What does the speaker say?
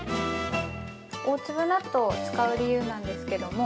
◆大粒納豆を使う理由なんですけども。